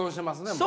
もう。